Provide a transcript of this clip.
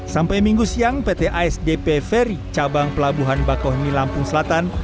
sampai minggu siang pt asdp ferry cabang pelabuhan bakauheni lampung selatan